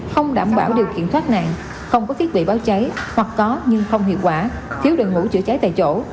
không đảm bảo điều kiện thoát nạn không có thiết bị báo cháy hoặc có nhưng không hiệu quả thiếu đội ngũ chữa cháy tại chỗ